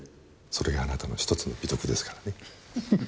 それがあなたの１つの美徳ですからね。